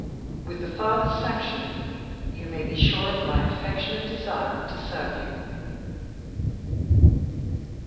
With the Father's sanction, you may be sure of my affectionate desire to serve you."